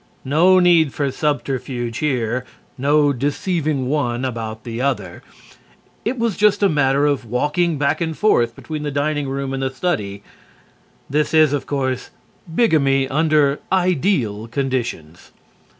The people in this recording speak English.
No need for subterfuge here, no deceiving one about the other. It was just a matter of walking back and forth between the dining room and the study. This is, of course, bigamy under ideal conditions.